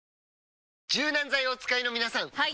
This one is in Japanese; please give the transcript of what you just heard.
柔軟剤をお使いの皆さんはい！